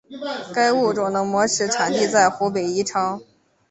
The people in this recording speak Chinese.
该物种的模式产地在湖北宜昌。